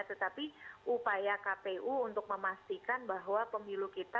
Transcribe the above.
tetapi upaya kpu untuk memastikan bahwa pemilu kita